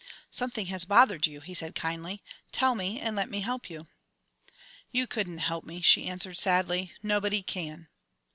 "Something has bothered you," he said kindly. "Tell me and let me help you." "You couldn't help me," she answered sadly; "nobody can."